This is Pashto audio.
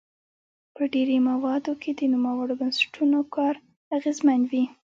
په ډیری مواردو کې د نوموړو بنسټونو کار اغیزمن وي.